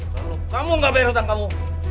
kalau kamu nggak bayar hutang kamu